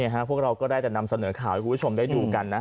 พวกเราก็ได้แต่นำเสนอข่าวให้คุณผู้ชมได้ดูกันนะ